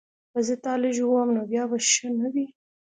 که زه تا لږ ووهم نو بیا به ښه نه وي